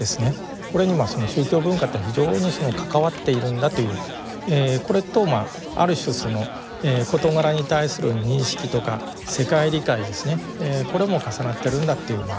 これに宗教文化っていうのは非常に関わっているんだというこれとある種その事柄に対する認識とか世界理解ですねこれも重なってるんだっていう話でした。